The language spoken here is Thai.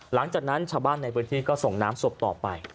หลังจากนั้นชาวบ้านในพื้นที่ก็ส่งน้ำศพต่อไป